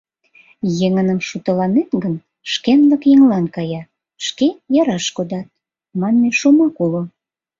«Еҥыным шутыланет гын, шкенлык еҥлан кая, шке яраш кодат» манме шомак уло...